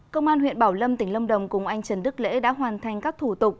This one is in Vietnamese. công an huyện bảo lâm tỉnh lâm đồng cùng anh trần đức lễ đã hoàn thành các thủ tục